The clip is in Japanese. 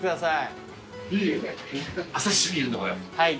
はい。